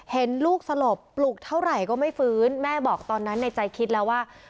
เห็นลูกสลบปลุกเท่าไหร่ก็ไม่ฟื้นแม่บอกตอนนั้นในใจคิดแล้วว่า